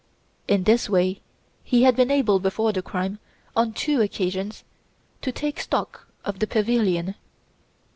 In this way he had been able before the crime, on two occasions to take stock of the pavilion.